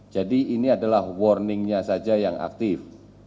jadi ini adalah warningnya saja yang aktif